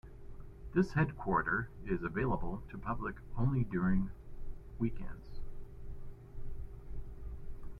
This headquarter is accessible to public only during weekends.